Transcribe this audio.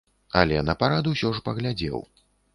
Але на парад усё ж паглядзеў.